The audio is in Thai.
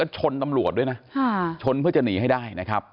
ชนตำรวจด้วยนะชนเพื่อจะหนีให้ได้นะครับ